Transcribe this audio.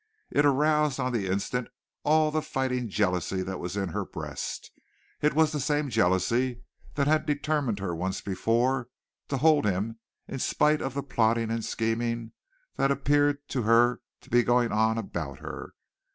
It aroused on the instant all the fighting jealousy that was in her breast; it was the same jealousy that had determined her once before to hold him in spite of the plotting and scheming that appeared to her to be going on about her.